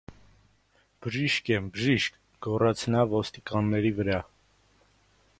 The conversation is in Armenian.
- Բժիշկ եմ, բժիշկ,- գոռաց նա ոստիկանների վրա: